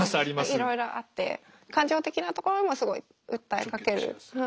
いろいろあって感情的なところもすごい訴えかける。